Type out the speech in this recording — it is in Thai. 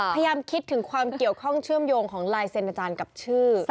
คิดถึงความเกี่ยวข้องเชื่อมโยงของลายเซ็นอาจารย์กับชื่อ